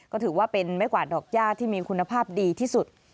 ก็ถือว่าเป็นไม้กวาดดอกย่าที่มีคุณภาพดีที่สุด